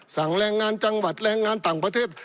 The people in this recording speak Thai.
แรงงานจังหวัดแรงงานต่างประเทศ